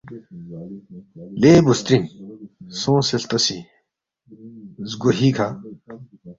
لے بُوسترِنگ سونگسے ہلتوسی زگوہی کھہ